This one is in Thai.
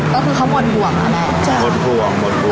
ก็คือเค้ามดหว่ำอ่ะแม่จ๊ะมดหว่ำมดหว่ำ